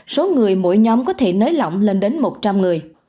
số người mỗi nhóm có thể nới lỏng lên đến một trăm linh người